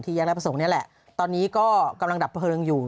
แยกรับประสงค์นี่แหละตอนนี้ก็กำลังดับเพลิงอยู่